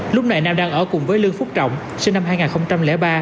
lúc này nam đang ở cùng với lương phúc trọng sinh năm hai nghìn ba